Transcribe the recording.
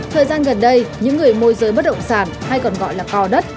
thời gian gần đây những người môi giới bất động sản hay còn gọi là cò đất